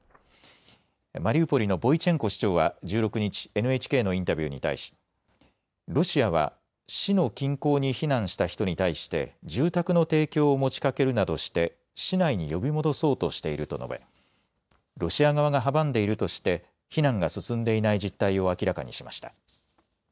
マリウポリのボイチェンコ市長は１６日、ＮＨＫのインタビューに対しロシアは市の近郊に避難した人に対して住宅の提供を持ちかけるなどして市内に呼び戻そうとしていると述べロシア側が阻んでいるとして避難が進んでいない実態を明らかにしました。